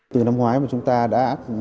từ năm ngoái mà chúng ta đã